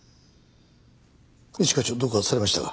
一課長どうかされましたか？